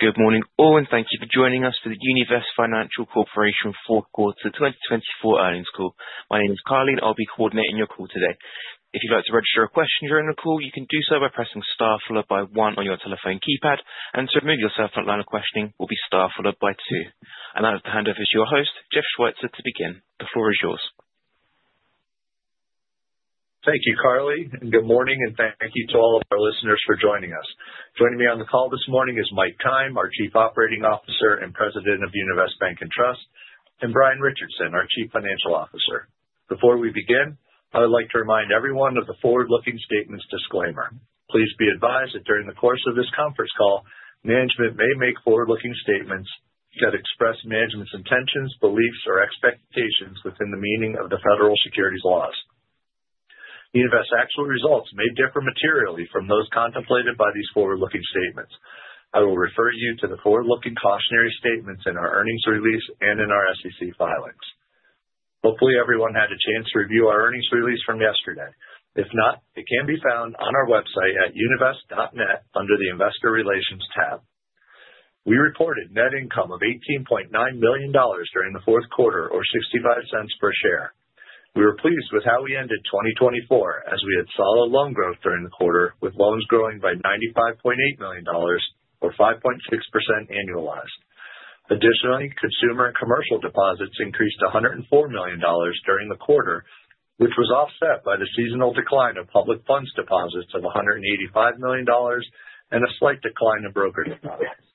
Good morning, all, and thank you for joining us for the Univest Financial Corporation Fourth Quarter 2024 Earnings Call. My name is Carly, and I'll be coordinating your call today. If you'd like to register a question during the call, you can do so by pressing star followed by one on your telephone keypad, and to remove yourself from the line of questioning will be star followed by two, and that is the handover to your host, Jeff Schweitzer, to begin. The floor is yours. Thank you, Carly, and good morning, and thank you to all of our listeners for joining us. Joining me on the call this morning is Mike Keim, our Chief Operating Officer and President of Univest Bank and Trust, and Brian Richardson, our Chief Financial Officer. Before we begin, I would like to remind everyone of the forward-looking statements disclaimer. Please be advised that during the course of this conference call, management may make forward-looking statements that express management's intentions, beliefs, or expectations within the meaning of the federal securities laws. Univest's actual results may differ materially from those contemplated by these forward-looking statements. I will refer you to the forward-looking cautionary statements in our earnings release and in our SEC filings. Hopefully, everyone had a chance to review our earnings release from yesterday. If not, it can be found on our website at univest.net under the Investor Relations tab. We reported net income of $18.9 million during the fourth quarter, or $0.65 per share. We were pleased with how we ended 2024, as we had solid loan growth during the quarter, with loans growing by $95.8 million, or 5.6% annualized. Additionally, consumer and commercial deposits increased $104 million during the quarter, which was offset by the seasonal decline of public funds deposits of $185 million and a slight decline in broker deposits.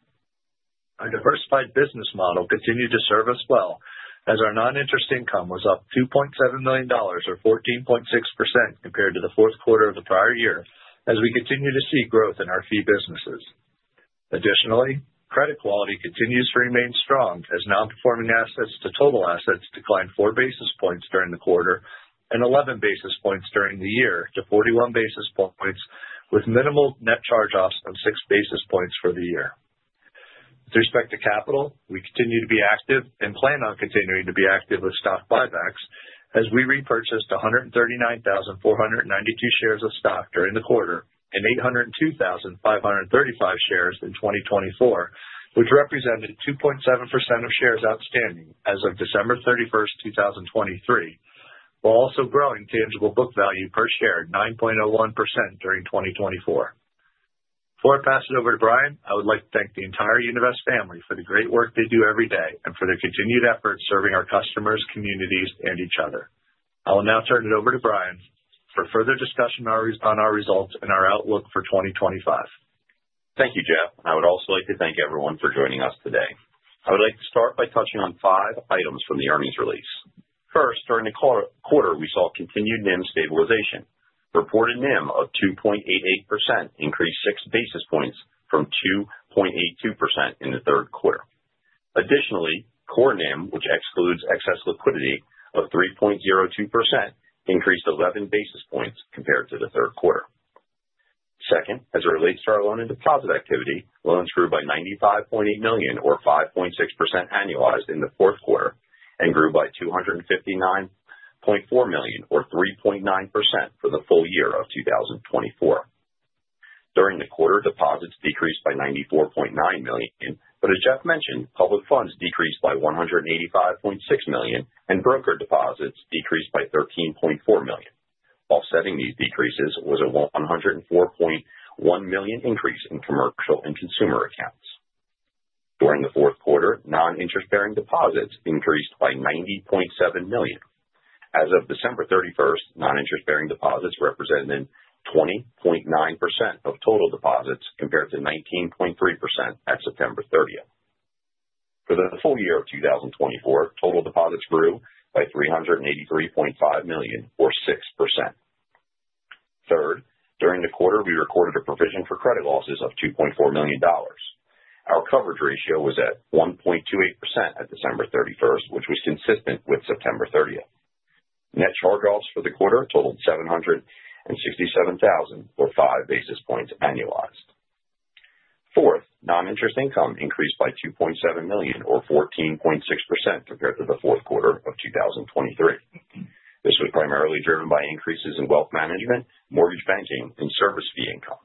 Our diversified business model continued to serve us well, as our non-interest income was up $2.7 million, or 14.6%, compared to the fourth quarter of the prior year, as we continue to see growth in our fee businesses. Additionally, credit quality continues to remain strong, as non-performing assets to total assets declined four basis points during the quarter and 11 basis points during the year to 41 basis points, with minimal net charge-offs of six basis points for the year. With respect to capital, we continue to be active and plan on continuing to be active with stock buybacks, as we repurchased 139,492 shares of stock during the quarter and 802,535 shares in 2024, which represented 2.7% of shares outstanding as of December 31, 2023, while also growing tangible book value per share 9.01% during 2024. Before I pass it over to Brian, I would like to thank the entire Univest family for the great work they do every day and for their continued efforts serving our customers, communities, and each other. I will now turn it over to Brian for further discussion on our results and our outlook for 2025. Thank you, Jeff. I would also like to thank everyone for joining us today. I would like to start by touching on five items from the earnings release. First, during the quarter, we saw continued NIM stabilization. Reported NIM of 2.88% increased six basis points from 2.82% in the third quarter. Additionally, core NIM, which excludes excess liquidity, of 3.02% increased 11 basis points compared to the third quarter. Second, as it relates to our loan and deposit activity, loans grew by $95.8 million, or 5.6% annualized, in the fourth quarter and grew by $259.4 million, or 3.9%, for the full year of 2024. During the quarter, deposits decreased by $94.9 million, but as Jeff mentioned, public funds decreased by $185.6 million and broker deposits decreased by $13.4 million. Offsetting these decreases was a $104.1 million increase in commercial and consumer accounts. During the fourth quarter, non-interest-bearing deposits increased by $90.7 million. As of December 31, non-interest-bearing deposits represented 20.9% of total deposits compared to 19.3% at September 30. For the full year of 2024, total deposits grew by $383.5 million, or 6%. Third, during the quarter, we recorded a provision for credit losses of $2.4 million. Our coverage ratio was at 1.28% at December 31, which was consistent with September 30. Net charge-offs for the quarter totaled $767,000, or 5 basis points annualized. Fourth, non-interest income increased by $2.7 million, or 14.6%, compared to the fourth quarter of 2023. This was primarily driven by increases in wealth management, mortgage banking, and service fee income.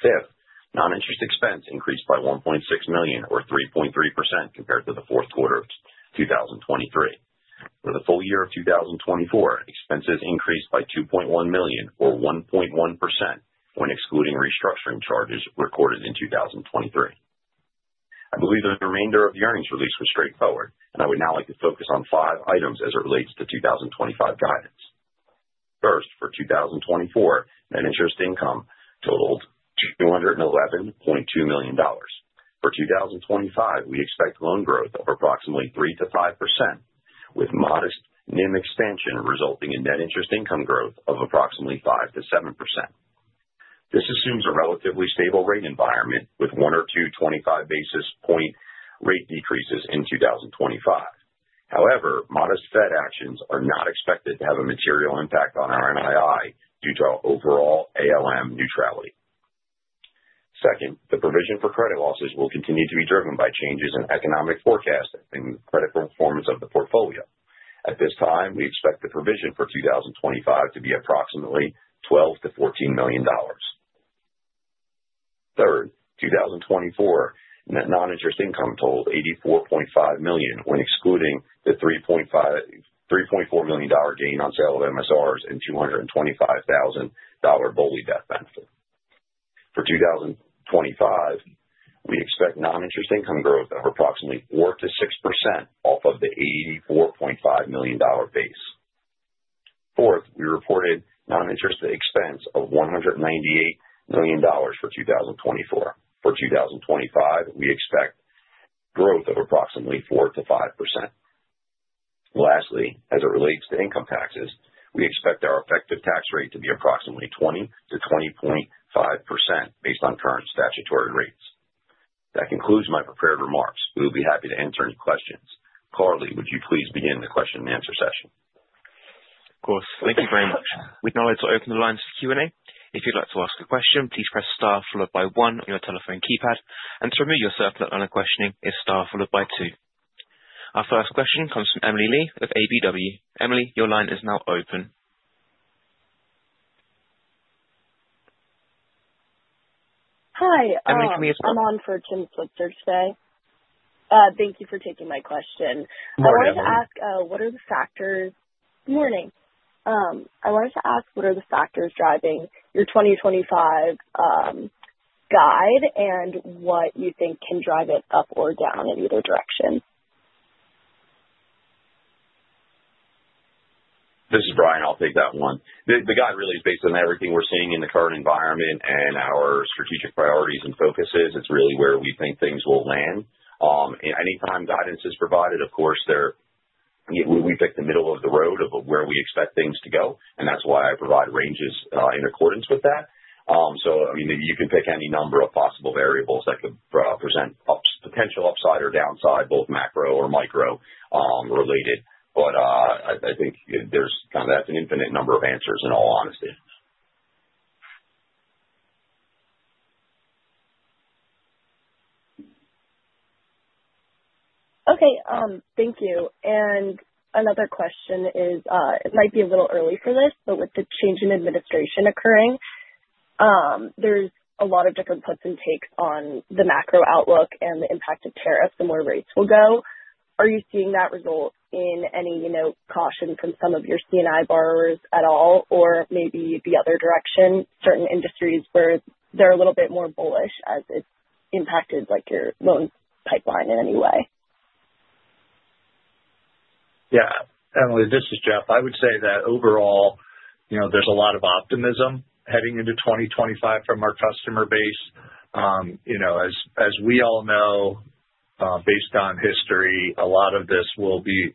Fifth, non-interest expense increased by $1.6 million, or 3.3%, compared to the fourth quarter of 2023. For the full year of 2024, expenses increased by $2.1 million, or 1.1%, when excluding restructuring charges recorded in 2023. I believe the remainder of the earnings release was straightforward, and I would now like to focus on five items as it relates to 2025 guidance. First, for 2024, net interest income totaled $211.2 million. For 2025, we expect loan growth of approximately 3%-5%, with modest NIM expansion resulting in net interest income growth of approximately 5%-7%. This assumes a relatively stable rate environment with one or two 25 basis point rate decreases in 2025. However, modest Fed actions are not expected to have a material impact on our NII due to our overall ALM neutrality. Second, the provision for credit losses will continue to be driven by changes in economic forecasts and credit performance of the portfolio. At this time, we expect the provision for 2025 to be approximately $12 million-$14 million. Third, 2024 net non-interest income totaled $84.5 million when excluding the $3.4 million gain on sale of MSRs and $225,000 BOLI death benefit. For 2025, we expect non-interest income growth of approximately 4%-6% off of the $84.5 million base. Fourth, we reported non-interest expense of $198 million for 2024. For 2025, we expect growth of approximately 4%-5%. Lastly, as it relates to income taxes, we expect our effective tax rate to be approximately 20%-20.5% based on current statutory rates. That concludes my prepared remarks. We will be happy to answer any questions. Carly, would you please begin the question and answer session? Of course. Thank you very much. We'd now like to open the lines for Q&A. If you'd like to ask a question, please press star followed by one on your telephone keypad, and to remove yourself from the line of questioning is star followed by two. Our first question comes from Emily Lee of KBW. Emily, your line is now open. Hi. I'm on for Tim Switzer today. Thank you for taking my question. Good morning. I wanted to ask what the factors driving your 2025 guide are and what you think can drive it up or down in either direction? This is Brian. I'll take that one. The guidance really is based on everything we're seeing in the current environment and our strategic priorities and focuses. It's really where we think things will land. Anytime guidance is provided, of course, we pick the middle of the road of where we expect things to go, and that's why I provide ranges in accordance with that. So I mean, you can pick any number of possible variables that could present potential upside or downside, both macro or micro related, but I think there's kind of an infinite number of answers in all honesty. Okay. Thank you, and another question is, it might be a little early for this, but with the change in administration occurring, there's a lot of different puts and takes on the macro outlook and the impact of tariffs and where rates will go. Are you seeing that result in any caution from some of your C&I borrowers at all, or maybe the other direction, certain industries where they're a little bit more bullish as it's impacted your loan pipeline in any way? Yeah. Emily, this is Jeff. I would say that overall, there's a lot of optimism heading into 2025 from our customer base. As we all know, based on history, a lot of this will be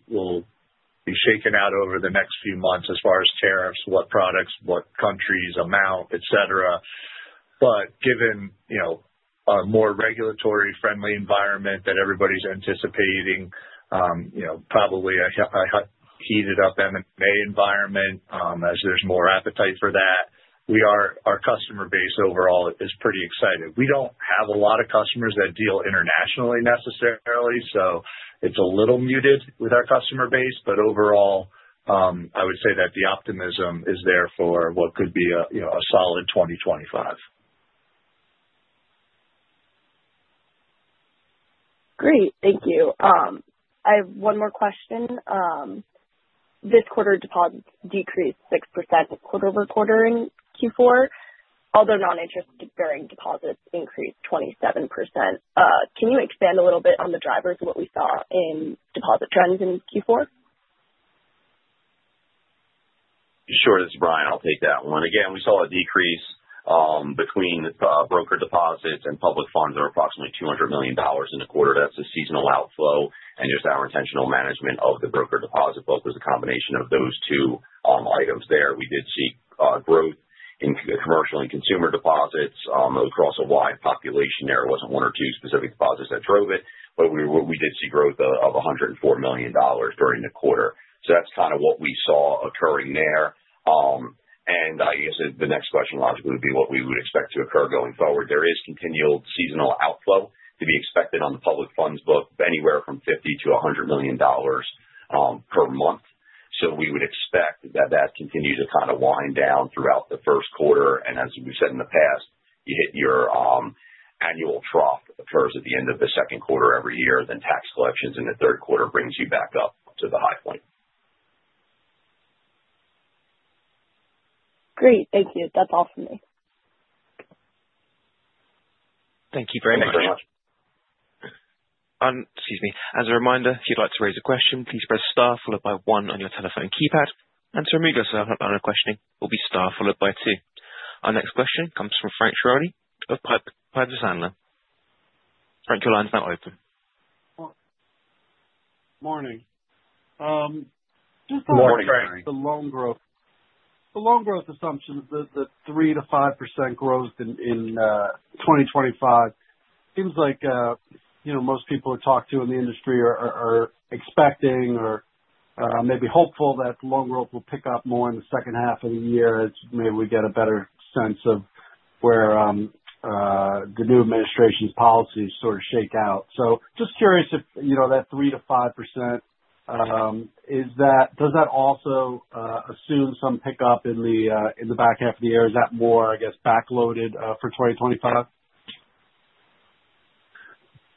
shaken out over the next few months as far as tariffs, what products, what countries, amount, etc. But given a more regulatory-friendly environment that everybody's anticipating, probably a heated-up M&A environment as there's more appetite for that, our customer base overall is pretty excited. We don't have a lot of customers that deal internationally necessarily, so it's a little muted with our customer base, but overall, I would say that the optimism is there for what could be a solid 2025. Great. Thank you. I have one more question. This quarter, deposits decreased 6% quarter-over-quarter in Q4, although non-interest-bearing deposits increased 27%. Can you expand a little bit on the drivers of what we saw in deposit trends in Q4? Sure. This is Brian. I'll take that one. Again, we saw a decrease between broker deposits and public funds of approximately $200 million in the quarter. That's a seasonal outflow, and just our intentional management of the broker deposit book was a combination of those two items there. We did see growth in commercial and consumer deposits across a wide population there. It wasn't one or two specific deposits that drove it, but we did see growth of $104 million during the quarter. So that's kind of what we saw occurring there. And I guess the next question logically would be what we would expect to occur going forward. There is continual seasonal outflow to be expected on the public funds book of anywhere from $50 million-$100 million per month. So we would expect that that continues to kind of wind down throughout the first quarter. As we've said in the past, you hit your annual trough that occurs at the end of the second quarter every year, then tax collections in the third quarter brings you back up to the high point. Great. Thank you. That's all for me. Thank you very much. Thank you very much. Excuse me. As a reminder, if you'd like to raise a question, please press star followed by one on your telephone keypad, and to remove yourself from the line of questioning, it will be star followed by two. Our next question comes from Frank Schiraldi of Piper Sandler. Frank, your line's now open. Morning. Just a quick thing. Morning, Frank. The loan growth assumption is that 3%-5% growth in 2025 seems like most people who talk to in the industry are expecting or maybe hopeful that loan growth will pick up more in the second half of the year as maybe we get a better sense of where the new administration's policies sort of shake out. So just curious if that 3%-5%, does that also assume some pickup in the back half of the year? Is that more, I guess, backloaded for 2025?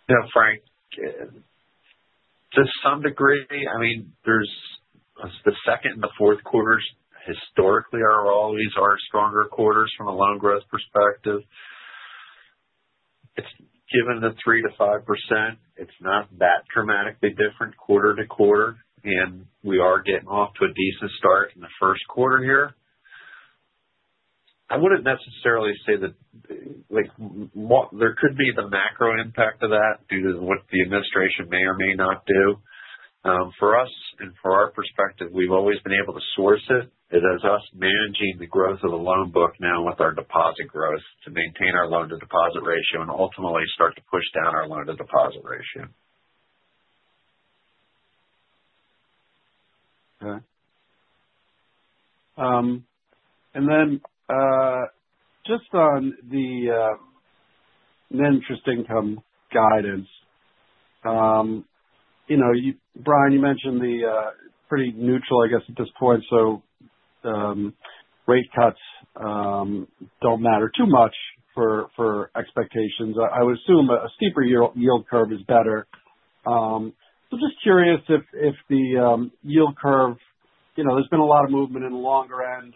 Yeah, Frank, to some degree, I mean, the second and the fourth quarters historically are always our stronger quarters from a loan growth perspective. Given the 3%-5%, it's not that dramatically different quarter to quarter, and we are getting off to a decent start in the first quarter here. I wouldn't necessarily say that there could be the macro impact of that due to what the administration may or may not do. For us and for our perspective, we've always been able to source it. It is us managing the growth of the loan book now with our deposit growth to maintain our loan-to-deposit ratio and ultimately start to push down our loan-to-deposit ratio. Okay. And then just on the net interest income guidance, Brian, you mentioned the pretty neutral, I guess, at this point. So rate cuts don't matter too much for expectations. I would assume a steeper yield curve is better. So just curious if the yield curve, there's been a lot of movement in the longer end.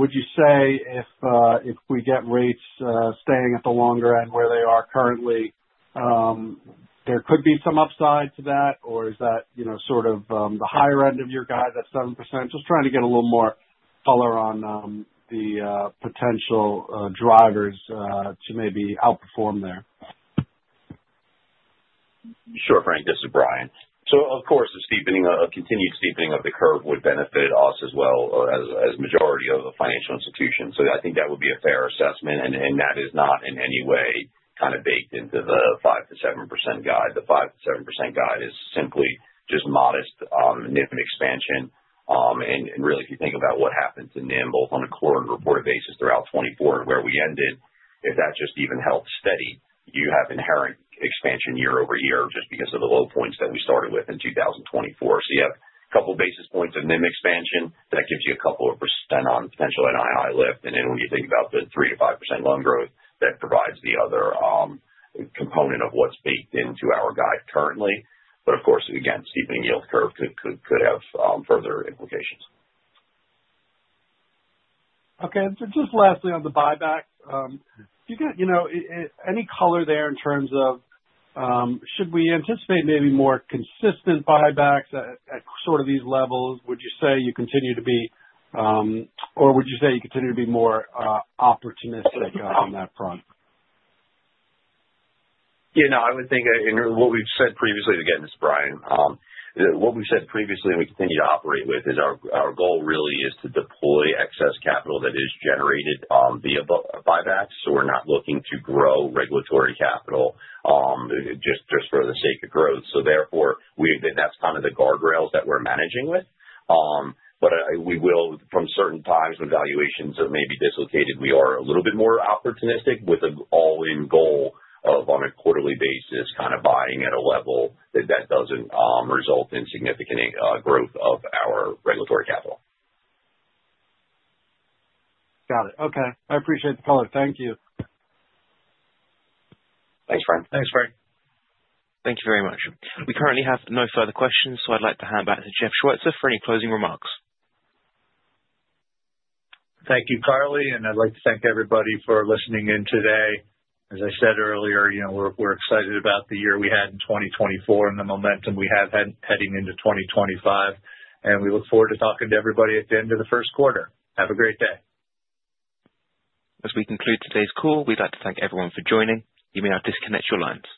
Would you say if we get rates staying at the longer end where they are currently, there could be some upside to that, or is that sort of the higher end of your guide, that 7%? Just trying to get a little more color on the potential drivers to maybe outperform there. Sure, Frank. This is Brian. So of course, a continued steepening of the curve would benefit us as well as the majority of the financial institutions. I think that would be a fair assessment, and that is not in any way kind of baked into the 5%-7% guide. The 5%-7% guide is simply just modest NIM expansion. Really, if you think about what happened to NIM both on a quarter and reported basis throughout 2024 and where we ended, if that just even held steady, you have inherent expansion year over year just because of the low points that we started with in 2024. You have a couple of basis points of NIM expansion that gives you a couple of % on potential NII lift. Then when you think about the 3%-5% loan growth, that provides the other component of what's baked into our guide currently. Of course, again, steepening yield curve could have further implications. Okay. Just lastly on the buyback, do you get any color there in terms of should we anticipate maybe more consistent buybacks at sort of these levels? Would you say you continue to be, or would you say you continue to be more opportunistic on that front? Yeah. No, I would think what we've said previously, again, this is Brian. What we've said previously and we continue to operate with is our goal really is to deploy excess capital that is generated via buybacks. So we're not looking to grow regulatory capital just for the sake of growth. So therefore, that's kind of the guardrails that we're managing with. But from certain times when valuations have maybe dislocated, we are a little bit more opportunistic with an all-in goal of, on a quarterly basis, kind of buying at a level that doesn't result in significant growth of our regulatory capital. Got it. Okay. I appreciate the color. Thank you. Thanks, Frank. Thanks, Frank. Thank you very much. We currently have no further questions, so I'd like to hand back to Jeff Schweitzer for any closing remarks. Thank you, Carly, and I'd like to thank everybody for listening in today. As I said earlier, we're excited about the year we had in 2024 and the momentum we have heading into 2025, and we look forward to talking to everybody at the end of the first quarter. Have a great day. As we conclude today's call, we'd like to thank everyone for joining. You may now disconnect your lines.